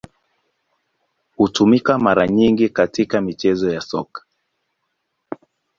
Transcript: Hutumika mara nyingi katika michezo ya Soka.